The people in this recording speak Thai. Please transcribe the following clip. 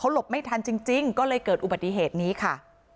หลบไม่ทันจริงก็เลยเกิดอุบัติเหตุนี้ค่ะ